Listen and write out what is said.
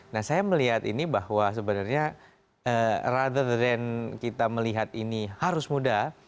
nah saya melihat ini bahwa sebenarnya rather than kita melihat ini harus muda